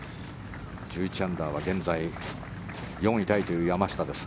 １１アンダーは現在４位タイという山下です。